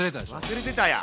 忘れてたや。